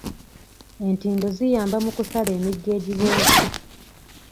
Entindo ziyamba mu kusala emigga egibooze.